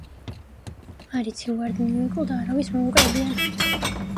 არ იცი ვარდნი უეკლოდ არავის მოუკრებიან